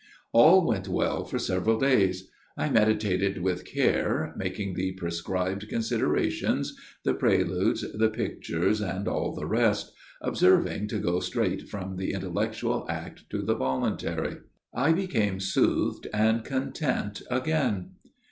" All went well for several days. I meditated with care, making the prescribed considerations the preludes, the pictures and all the rest observ ing to go straight from the intellectual act to the voluntary. I became soothed and content again.